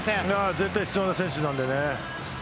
絶対必要な選手なのでね。